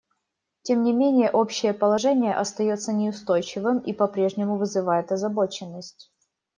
Тем не менее, общее положение остается неустойчивым и по-прежнему вызывает озабоченность.